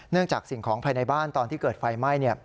จากสิ่งของภายในบ้านตอนที่เกิดไฟไหม้